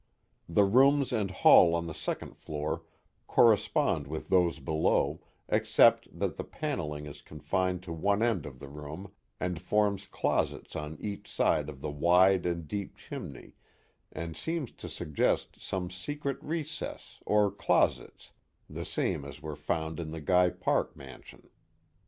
The rooms and hall on the second floor correspond with those below except that the panelling is confined to one end of the room and forms closets on each side of the wide and deep chimney, and seems to suggest some secret recess or closets the same as were found in the Guy Park mansion.